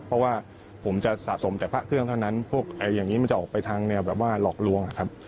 เพราะว่าผมจะสะสมแต่ผ้าเครื่องเท่านั้นพวกอย่างนี้มันจะออกไปทางหลอกลวงครับ